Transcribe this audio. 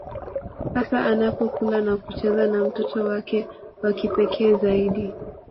Hasa anapokula na kucheza na mtoto wake wa kipekee zaidi